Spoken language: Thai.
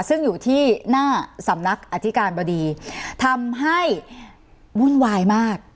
ซึ่งอยู่ที่หน้าสำนักอธิการบดีทำให้วุ่นวายมาก